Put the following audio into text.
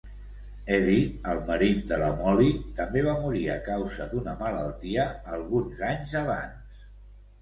Eddie, el marit de la Molly, també va morir a causa d'una malaltia alguns anys abans.